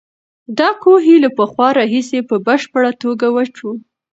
دا کوهی له پخوا راهیسې په بشپړه توګه وچ و.